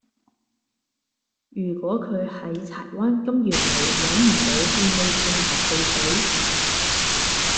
如果佢喺柴灣金源里搵唔到便利店買汽水